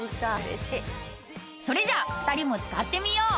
それじゃあ２人も使ってみよう。